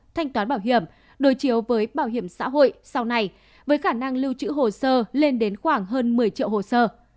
thanh toán bảo hiểm đối chiếu với bảo hiểm xã hội sau này với khả năng lưu trữ hồ sơ lên đến khoảng hơn một mươi triệu hồ sơ